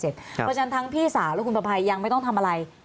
เพราะฉะนั้นทั้งพี่สาวและคุณประภัยยังไม่ต้องทำอะไร